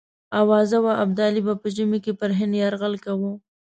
آوازه وه ابدالي به په ژمي کې پر هند یرغل کوي.